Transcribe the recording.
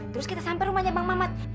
terus kita sampai rumahnya bang mamat